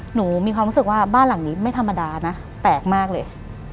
มีความรู้สึกว่าบ้านหลังนี้ไม่ธรรมดานะแปลกมากเลย